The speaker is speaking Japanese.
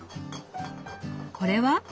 これは？